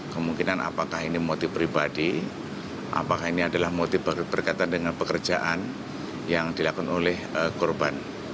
kemungkinan apakah ini motif pribadi apakah ini adalah motif berkaitan dengan pekerjaan yang dilakukan oleh korban